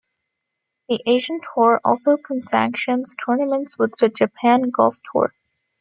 The Asian Tour also co-sanctions tournaments with the Japan Golf Tour.